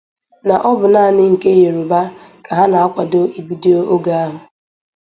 na ọ bụ naanị nke Yoruba ka ha na-akwado ibido oge ahụ